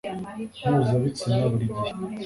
mpuza ibitsina buri gihe,